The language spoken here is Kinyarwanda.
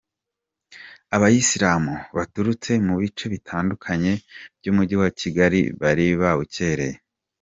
Abayisilamu baturutse mu bice bitandukanye by'umujyi wa Kigali bari babukereye.